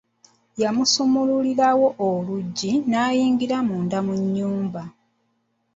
Yamusumululirawo oluggyi n'ayingira munda mu nnyumba.